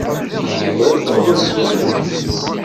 Yuba yessaweḍ ad yeg aya.